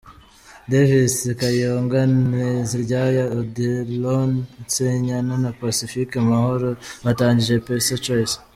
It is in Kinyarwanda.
Davis Kayonga Nteziryayo, Odilon Senyana na Pacifique Mahoro, batangije PesaChoice.